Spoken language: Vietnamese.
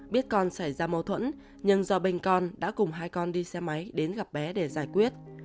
biết con xảy ra mâu thuẫn nhưng do bên con đã cùng hai con đi xe máy đến gặp bé để giải quyết